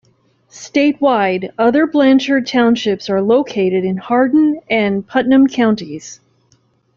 Statewide, other Blanchard Townships are located in Hardin and Putnam counties.